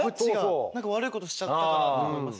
何か悪いことしちゃったかなと思いますよね。